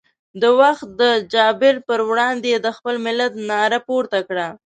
د وخت د جابر پر وړاندې یې د خپل ملت ناره پورته کړه.